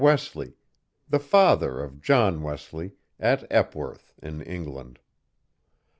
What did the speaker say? Wesley, the father of John Wesley, at Epworth, in England.